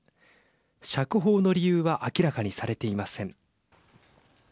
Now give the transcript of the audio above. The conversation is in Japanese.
釈放の理由は明らかにされていません。